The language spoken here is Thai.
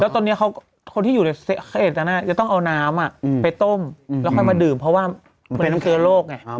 แล้วตอนนี้คนที่อยู่ในเขตจะต้องเอาน้ำไปต้มแล้วค่อยมาดื่มเพราะว่าเหมือนมีเชื้อโรคไง